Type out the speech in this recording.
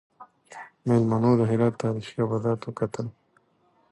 میلمنو د هرات تاریخي ابدات وکتل.